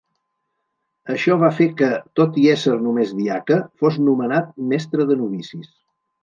Això va fer que, tot i ésser només diaca, fos nomenat mestre de novicis.